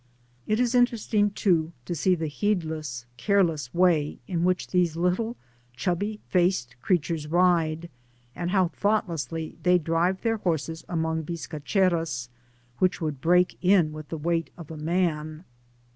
It is interesting, too, to see the heedless, careless way in which these little chubby faced creatures ride, and how thoughtlessly they drive Digitized byGoogk 250 THB PAMPAS. their horses among biscacheros, which would break in with the weight of a man.